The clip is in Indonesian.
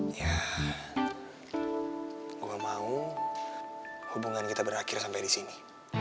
ya gue mau hubungan kita berakhir sampai di sini